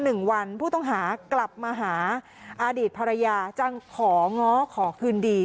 หนึ่งวันผู้ต้องหากลับมาหาอดีตภรรยาจังของ้อขอคืนดี